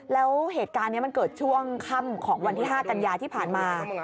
แล้วเหตุการณ์นี้มันเกิดช่วงค่ำของวันที่๕กันยาที่ผ่านมา